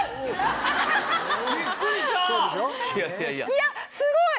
いやすごい！